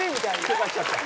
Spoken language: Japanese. ケガしちゃった。